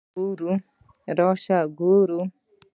راشه وګوره!